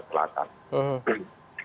di kalimantan selatan